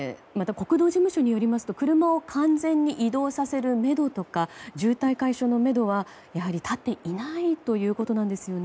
国土事務所によりますと車を完全に移動させるめどとか渋滞解消のめどはやはり立っていないということなんですよね。